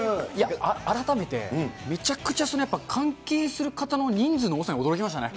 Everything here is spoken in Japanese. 改めて、めちゃくちゃ関係する方の人数の多さに驚きましたね。